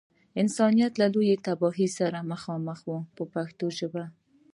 انسانیت له لویې تباهۍ سره مخامخ و په پښتو ژبه.